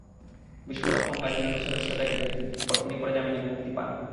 বিস্ফোরক মামলায় তিন বছর সাজা খেটে তিনি পরে জামিনে মুক্তি পান।